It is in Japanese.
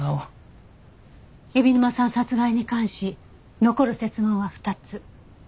海老沼さん殺害に関し残る設問は２つ。